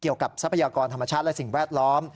ทรัพยากรธรรมชาติและสิ่งแวดล้อม